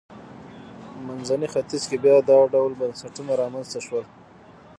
منځني ختیځ کې بیا دا ډول بنسټونه رامنځته شول.